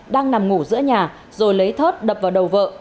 đang nằm ngủ giữa nhà rồi lấy thớt đập vào đầu vợ